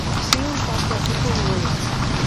Ziur parte hartuko duela.